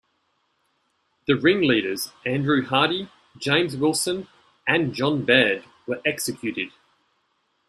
The ringleaders, Andrew Hardie, James Wilson and John Baird were executed.